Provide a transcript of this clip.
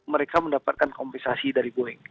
mereka mendapatkan kompensasi dari boeing